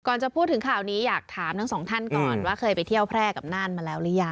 จะพูดถึงข่าวนี้อยากถามทั้งสองท่านก่อนว่าเคยไปเที่ยวแพร่กับน่านมาแล้วหรือยัง